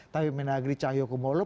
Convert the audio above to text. tapi menagri cahyokumolo